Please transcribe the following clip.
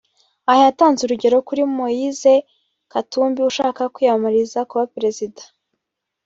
Aha yatanze urugero kuri Moïse Katumbi ushaka kwiyamamariza kuba Perezida